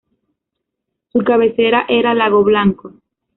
Su cabecera era Lago Blanco.